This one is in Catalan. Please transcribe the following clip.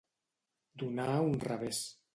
Donar un revés.